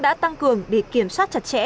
đã tăng cường để kiểm soát chặt chẽ